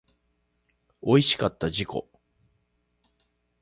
おいしかった自己